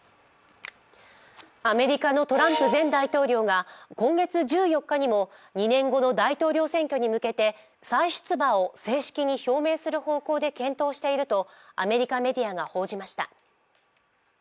アメリカのトランプ前大統領が今月１４日にも２年後の大統領選挙に向けて再出馬を正式に表明する方向で検討しているとアメリカメディアが報じました。